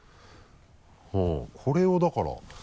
ほぉこれをだから。